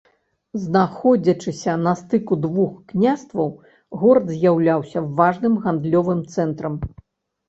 Знаходзячыся на стыку двух княстваў, горад з'яўляўся важным гандлёвым цэнтрам.